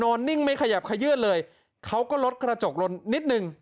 นิ่งไม่ขยับขยื่นเลยเขาก็ลดกระจกลนนิดนึง